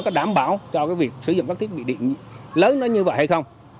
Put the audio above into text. có đảm bảo cho việc sử dụng các thiết bị điện lớn như vậy hay không